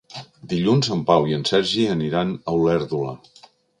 Dilluns en Pau i en Sergi aniran a Olèrdola.